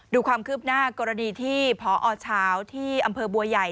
ดูความคืบหน้ากรณีที่พอเช้าที่อำเภอบัวใหญ่